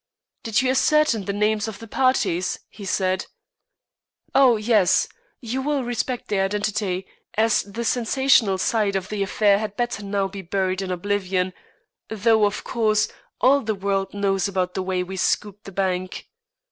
"Did you ascertain the names of the parties?" he said. "Oh yes. You will respect their identity, as the sensational side of the affair had better now be buried in oblivion, though, of course, all the world knows about the way we scooped the bank.